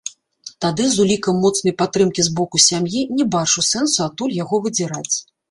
Тады з улікам моцнай падтрымкі з боку сям'і, не бачу сэнсу адтуль яго выдзіраць.